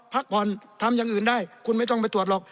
พักผ่อนทำอย่างอื่นได้คุณไม่ต้องไปตรวจหรอก